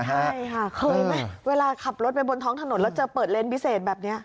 ใช่ค่ะเคยไหมเวลาขับรถไปบนท้องถนนแล้วเจอเปิดเลนส์พิเศษแบบนี้